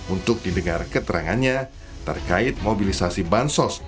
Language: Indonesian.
untuk didengar keterangannya terkait mobilisasi bansos